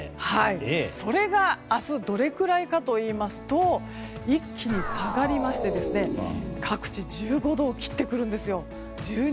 それが明日どれくらいかといいますと一気に下がりまして各地１５度を切ってくるんです。